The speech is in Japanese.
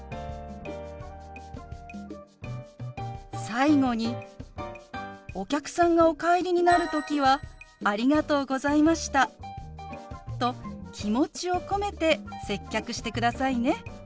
最後にお客さんがお帰りになる時は「ありがとうございました」と気持ちを込めて接客してくださいね。